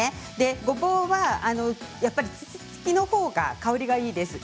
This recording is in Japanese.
ごぼうは土つきのほうが香りがいいです。